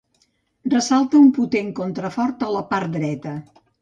Ressalta un potent contrafort a la part dreta.